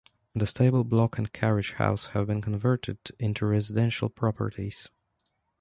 The stable block and carriage house have been converted into residential properties.